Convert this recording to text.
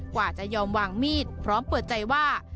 กว่าจะยอมวางมีดพร้อมเปิดใจว่า